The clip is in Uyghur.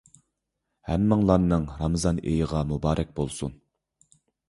ھەممىڭلارنىڭ رامىزان ئېيىغا مۇبارەك بولسۇن.